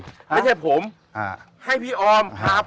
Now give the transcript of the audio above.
ชื่องนี้ชื่องนี้ชื่องนี้ชื่องนี้ชื่องนี้